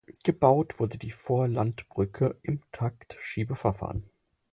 Gebaut wurde die Vorlandbrücke im Taktschiebeverfahren.